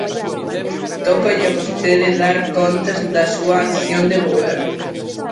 Tócalle a vostede dar contas da súa acción de goberno.